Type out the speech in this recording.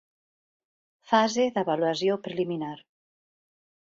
Fase d'avaluació preliminar.